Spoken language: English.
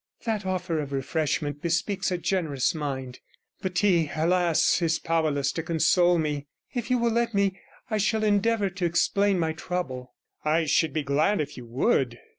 'That offer of refreshment bespeaks a generous mind. But tea, alas! is powerless to console me. If you will let me, I shall endeavour to explain my trouble.' 'I should be glad if you would.'